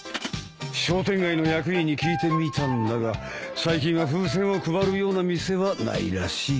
商店街の役員に聞いてみたんだが最近は風船を配るような店はないらしい。